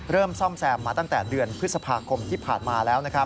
ซ่อมแซมมาตั้งแต่เดือนพฤษภาคมที่ผ่านมาแล้ว